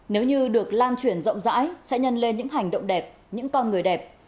nếu như được lan truyền rộng rãi sẽ nhân lên những hành động đẹp những con người đẹp